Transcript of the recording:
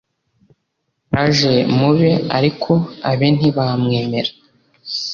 yesu yaje mube ariko abe ntibamwemera